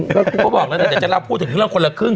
ก็บอกแล้วเดี๋ยวจะรับผู้ถึงพันแล้วคนละครึ่ง